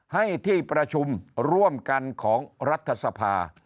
ให้ที่ประชุมร่วมกันของรัฐสภา